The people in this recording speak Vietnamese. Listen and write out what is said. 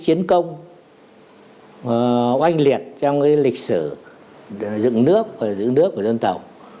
chiến công oanh liệt trong lịch sử dựng nước và dựng nước của dân tộc